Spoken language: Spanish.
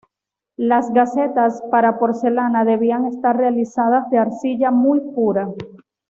Las gacetas para porcelana debían estar realizadas de arcilla muy pura.